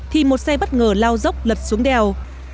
thì một xe bất ngờ lao dốc lật xuống đèo